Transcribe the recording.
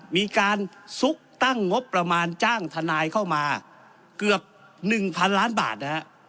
มีการซุกตั้งงบประมาณจ้างทนายเข้ามาเกือบ๑๐๐๐ล้านบาทนะฮะ